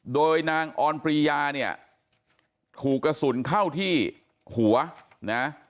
โดยนางออนปรียาเนี่ยถูกกระสุนเข้าที่หัวนะ